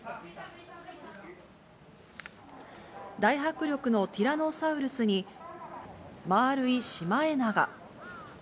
大迫力のティラノサウルスに、まあるいシマエナガ。